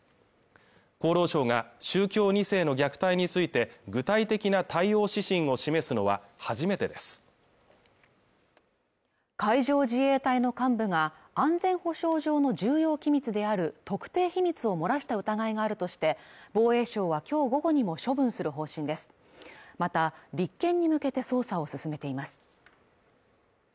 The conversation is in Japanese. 厚労省が宗教二世の虐待について具体的な対応指針を示すのは初めてです海上自衛隊の幹部が安全保障上の重要機密である特定秘密を漏らした疑いがあるとして防衛省はきょう午後にも処分する方針ですまた立件に向けて捜査を進めています